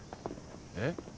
えっ？